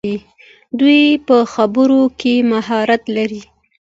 دوی په خبرو کې مهارت لري.